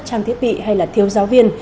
trang thiết bị hay là thiếu giáo viên